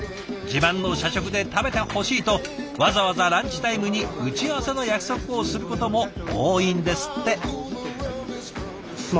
自慢の社食で食べてほしいとわざわざランチタイムに打ち合わせの約束をすることも多いんですって。